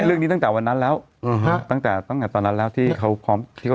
ไม่เรื่องนี้ตั้งแต่วันนั้นแล้วตั้งแต่ตอนนั้นแล้วที่เขาพร้อม